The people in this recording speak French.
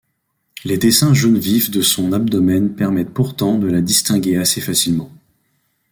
Les dessins jaune vif de son abdomen permettent pourtant de la distinguer assez facilement.